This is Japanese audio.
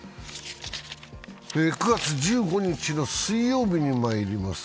９月１５日の水曜日にまいります。